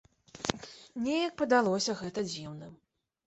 Неяк падалося гэта дзіўным.